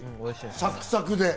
サクサクで。